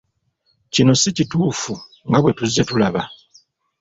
Kino si kituufu nga bwe tuzze tulaba.